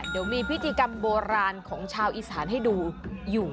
เดี๋ยวมีพิธีกรรมโบราณของชาวอีสานให้ดูอยู่